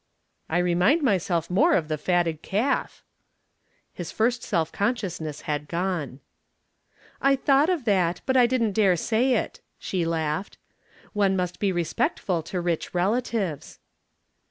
"I remind myself more of the fatted calf." His first self consciousness had gone. "I thought of that, but I didn't dare say it," she laughed. "One must be respectful to rich relatives."